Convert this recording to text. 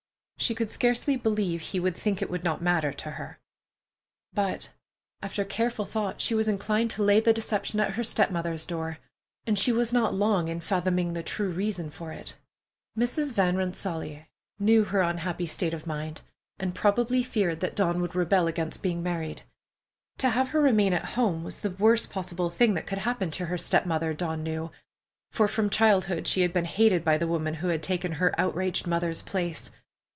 She could scarcely believe he could think it would not matter to her. But after careful thought she was inclined to lay the deception at her stepmother's door, and she was not long in fathoming the true reason for it. Mrs. Van Rensselaer knew her unhappy state of mind, and probably feared that Dawn would rebel against being married. To have her remain at home was the worst possible thing that could happen to her step mother, Dawn knew, for from childhood she had been hated by the woman who had taken her outraged mother's place.